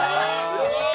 すごーい！